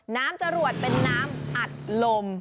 จรวดเป็นน้ำอัดลม